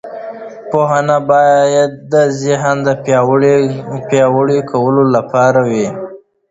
پوهه باید د ذهن د پیاوړي کولو لپاره وي.